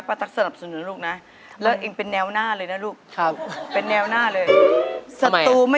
ปะตรักสนับสนุนลูกน่ะ